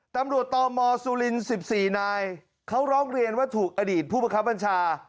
ตำรวจต่อมสุรินทร์๑๔นายเขาร้องเรียนว่าถูกอดีตผู้บังคับบัญชา